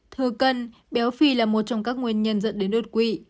thừa cân béo phì là một trong các nguyên nhân dẫn đến đột quỵ